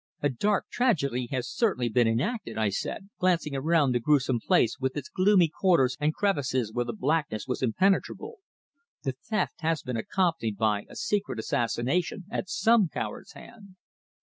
"A dark tragedy has certainly been enacted," I said, glancing around the gruesome place with its gloomy corners and crevices where the blackness was impenetrable. "The theft has been accompanied by a secret assassination at some coward's hand."